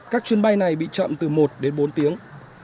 các chuyến bay này bị chậm từ một đến bốn tiếng